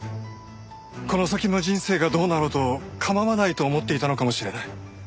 この先の人生がどうなろうと構わないと思っていたのかもしれない。